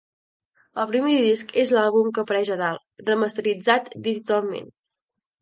El primer disc és l'àlbum que apareix a dalt, remasteritzat digitalment.